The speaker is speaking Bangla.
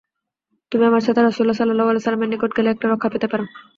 তুমি আমার সাথে রাসূল সাল্লাল্লাহু আলাইহি ওয়াসাল্লাম-এর নিকট গেলে একটা রক্ষা পেতে পার।